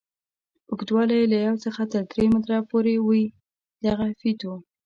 اوږدوالی یې له یوه څخه تر درې متره پورې وي دغه فیتو.